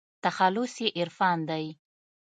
تخلص يې عرفان دى.